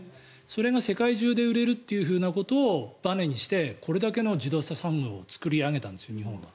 それが世界中で売れるってことをばねにしてこれだけの自動車産業を作り上げたんです、日本は。